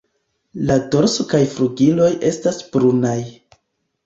La dorso kaj flugiloj estas brunaj.